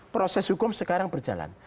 proses hukum sekarang berjalan